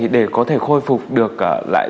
để có thể khôi phục được lại